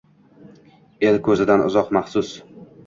El ko’zidan uzoq, maxsus